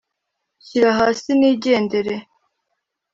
nshyira hasi nigendere”